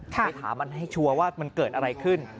ไปถามมันให้ชัวร์ว่ามันเกิดอะไรขึ้น